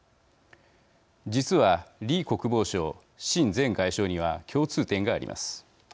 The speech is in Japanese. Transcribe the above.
実は李国防相、秦前外相には共通点があります。